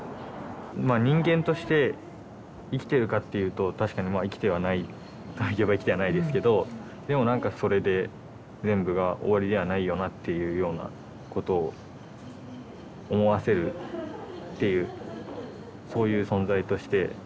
まあ人間として生きてるかっていうと確かにまあ生きてはないといえば生きてはないですけどでもなんかそれで全部が終わりではないよなというようなことを思わせるっていうそういう存在として。